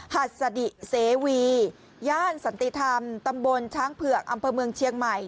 หัสดิเสวีย่านสันติธรรมตำบลช้างเผือกอำเภอเมืองเชียงใหม่